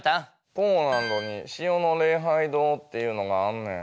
ポーランドに塩の礼拝堂っていうのがあんねん。